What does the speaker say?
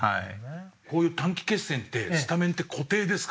こういう短期決戦ってスタメンって固定ですか？